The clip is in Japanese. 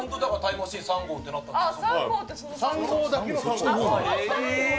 だからタイムマシーン３号ってなったんですよ。